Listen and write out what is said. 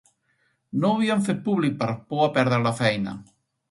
No ho havien fet públic per por a perdre la feina.